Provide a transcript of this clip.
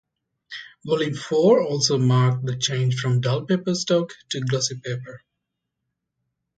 Volume Four also marked the change from dull paper stock to glossy paper.